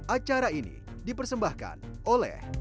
acara ini dipersembahkan oleh